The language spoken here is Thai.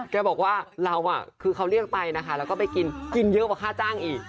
แกบอกว่าเราคือเขาเรียกไปนะคะแล้วก็ไปกินกินเยอะกว่าค่าจ้างอีก